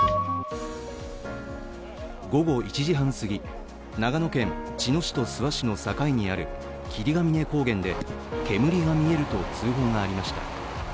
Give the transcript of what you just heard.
午後１時半すぎ、長野県茅野市と諏訪市の境にある霧ヶ峰高原で煙が見えると通報がありました。